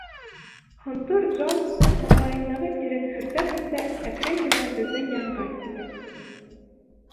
Һонтор Джон, маңлайындағы тирен һөртә-һөртә, әкрен генә беҙҙең янға килде.